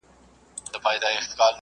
پر منبر مي اورېدلي ستا نطقونه.